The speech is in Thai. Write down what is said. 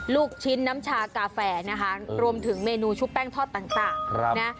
ลูกชิ้นน้ำชากาแฟนะคะรวมถึงเมนูชุบแป้งทอดต่างนะ